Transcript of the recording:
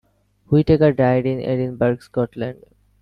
Whittaker died in Edinburgh, Scotland.